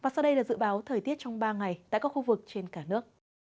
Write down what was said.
sau đây là dự báo thời tiết trong ba ngày tại các khu vực trên cả nước